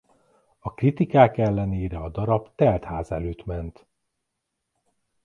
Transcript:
A kritikák ellenére a darab telt ház előtt ment.